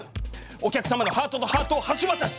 お客様のハートとハートを橋渡し！